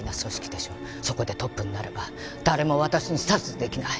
そこでトップになれば誰も私に指図できない。